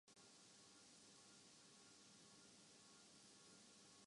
پورا دن کاروبار زندگی میں مشغول اور محنت سے چور